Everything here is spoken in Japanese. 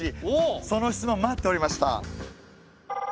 その質問待っておりました。